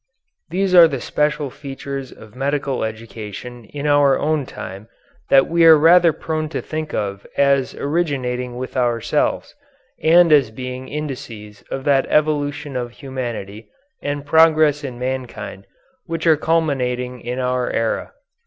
These are the special features of medical education in our own time that we are rather prone to think of as originating with ourselves and as being indices of that evolution of humanity and progress in mankind which are culminating in our era.